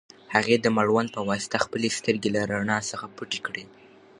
هغې د مړوند په واسطه خپلې سترګې له رڼا څخه پټې کړې.